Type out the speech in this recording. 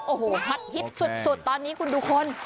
โอ้โหฮอตฮิตสุดตอนนี้คุณดูคน